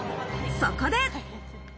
そこで。